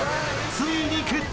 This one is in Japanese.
［ついに決着！